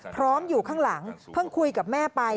พร้อมอยู่ข้างหลังเพิ่งคุยกับแม่ไป